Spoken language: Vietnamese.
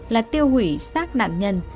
là tiêu hủy xác nạn nhân